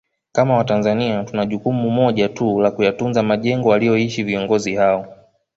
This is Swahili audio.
Kama Watanzania tuna jukumu moja tu la Kuyatunza majengo waliyoishi viongozi hao